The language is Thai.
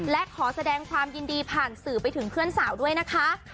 และขอแสดงความยินดีผ่านสื่อไปถึงเพื่อนสาวด้วยนะคะ